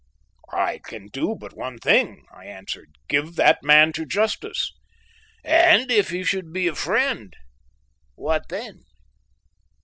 "I can do but one thing," I answered, "give that man to justice." "And if he should be friend, what then?"